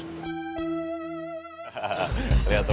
hahaha liat tuh